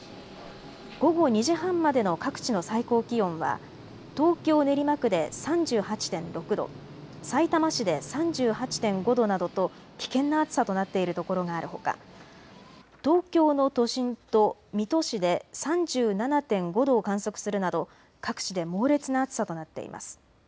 午後２時半までの各地の最高気温は東京練馬区で３８．６度、さいたま市で３８．５度などと危険な暑さとなっているところがあるほか東京の都心と水戸市で３７．５度を観測するなど各地で猛烈な暑さとなっています。